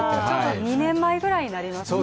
２年前ぐらいになりますね。